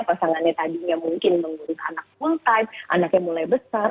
pasangannya tadinya mungkin mengurus anak full time anaknya mulai besar